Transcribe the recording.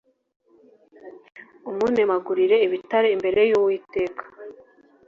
umenagurira ibitare imbere yUwiteka